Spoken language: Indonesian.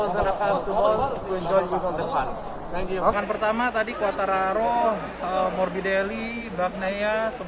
terima kasih banyak banyak